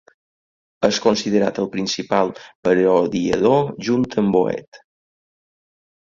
És considerat el principal parodiador junt amb Boet.